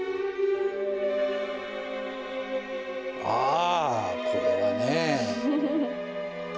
あこれはね。